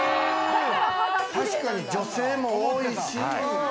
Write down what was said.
確かに女性も多いし。